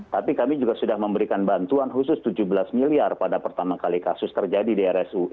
tapi kami juga sudah memberikan bantuan khusus tujuh belas miliar pada pertama kali kasus terjadi di rsui